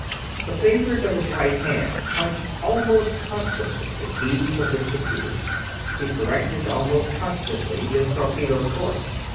The fingers of his right hand punched almost constantly the keys of his computer; he corrected almost constantly his torpedoes' course.